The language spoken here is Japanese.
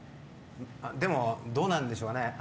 どうなんでしょうね。